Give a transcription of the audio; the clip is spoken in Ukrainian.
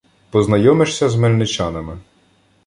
Познайомишся з мельничанами.